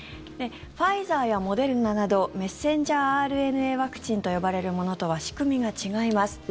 ファイザーやモデルナなどメッセンジャーＲＮＡワクチンと呼ばれるものとは仕組みが違います。